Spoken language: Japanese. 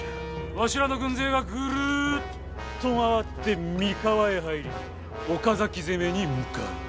わしらの軍勢がぐるっと回って三河へ入り岡崎攻めに向かう。